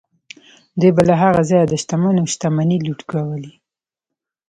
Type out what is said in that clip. دوی به له هغه ځایه د شتمنو شتمنۍ لوټ کولې.